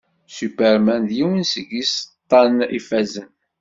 Superman d yiwen seg isaṭṭen ifazen.